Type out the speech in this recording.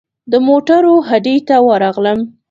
د موټرو هډې ته ورغلم.